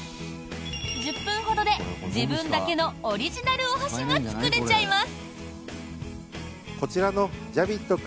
１０分ほどで自分だけのオリジナルお箸が作れちゃいます！